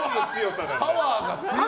パワーが強い。